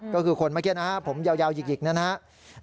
ก็คือคนเมื่อกี้นะครับผมยาวหยิกนะครับ